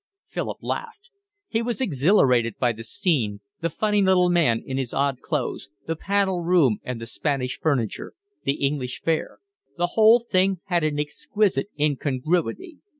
Philip laughed. He was exhilarated by the scene, the funny little man in his odd clothes, the panelled room and the Spanish furniture, the English fare: the whole thing had an exquisite incongruity.